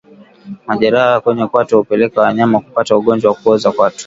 Majeraha kwenye kwato hupelekea wanyama kupata ugonjwa wa kuoza kwato